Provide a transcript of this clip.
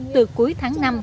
từ cuối tháng năm